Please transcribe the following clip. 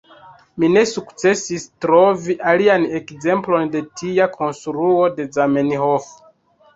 Mi ne sukcesis trovi alian ekzemplon de tia konstruo ĉe Zamenhof.